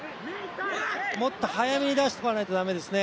もっと早めに出しておかないと駄目ですね。